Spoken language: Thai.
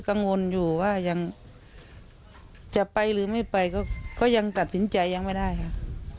กังวลอยู่ว่ายังจะไปหรือไม่ไปก็ยังตัดสินใจยังไม่ได้ค่ะ